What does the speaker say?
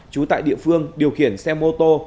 sử dụng xe mô tô